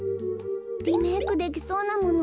リメークできそうなもの